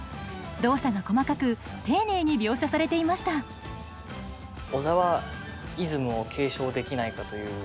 動作が細かく丁寧に描写されていました小沢イズムを継承できないかという。